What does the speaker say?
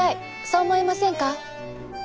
そう思いませんか？